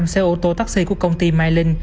hai trăm linh xe ô tô taxi của công ty mylyn